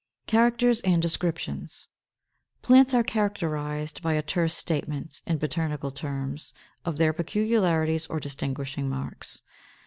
544. =Characters and Descriptions.= Plants are characterized by a terse statement, in botanical terms, of their peculiarities or distinguishing marks.